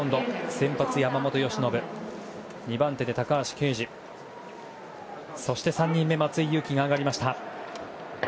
先発、山本由伸２番手で高橋奎二そして３人目、松井裕樹が上がりました。